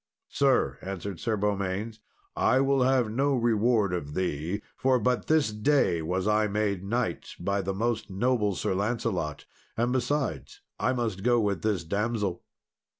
"Sir," answered Sir Beaumains, "I will have no reward of thee, for but this day was I made knight by the most noble Sir Lancelot; and besides, I must go with this damsel."